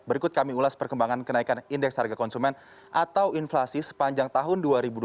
berikut kami ulas perkembangan kenaikan indeks harga konsumen atau inflasi sepanjang tahun dua ribu dua puluh